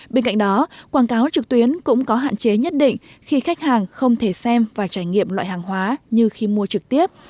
bên cạnh đó quảng cáo trực tuyến cũng có hạn chế nhất định khi khách hàng không thể xem và trải nghiệm loại hàng hóa như khi mua trực tiếp